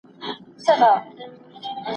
زموږ په کلي کې یو لوی باغ شته.